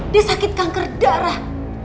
dia sakit kanker darah